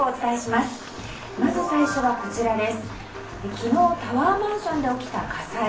まず最初は、昨日タワーマンションで起きた火災。